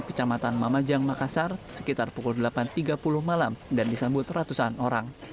kecamatan mamajang makassar sekitar pukul delapan tiga puluh malam dan disambut ratusan orang